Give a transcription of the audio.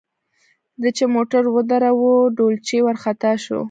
ده چې موټر ودراوه ډولچي ورخطا شو.